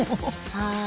はい。